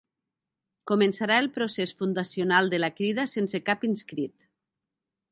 Començarà el procés fundacional de la Crida sense cap inscrit